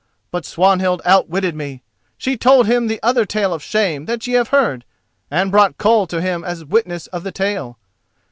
But Swanhild outwitted me. She told him that other tale of shame that ye have heard, and brought Koll to him as witness of the tale.